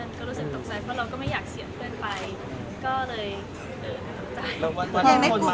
ไม่รู้ว่าเขามาจากไหนเลยค่ะ